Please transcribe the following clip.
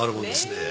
ねえ。